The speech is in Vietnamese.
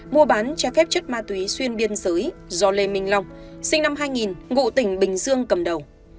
mua bán trái phép chất ma túy xuyên biên giới do lê minh long sinh năm hai nghìn ngụ tỉnh bình dương cầm đầu